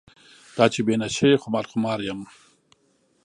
دا چې بې نشې خمار خمار یم.